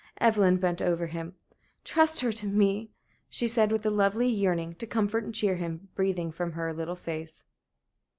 Evelyn bent over him. "Trust her to me," she said, with a lovely yearning to comfort and cheer him breathing from her little face.